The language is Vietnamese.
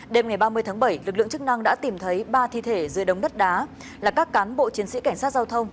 đêm ngày ba mươi tháng bảy lực lượng chức năng đã tìm thấy ba thi thể dưới đống đất đá là các cán bộ chiến sĩ cảnh sát giao thông